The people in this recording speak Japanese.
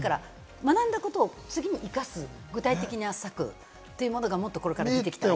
学んだことを次に生かす具体的な策というものがもっとこれから出てきたらなと。